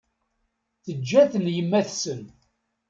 Teǧǧa-ten yemma-tsen.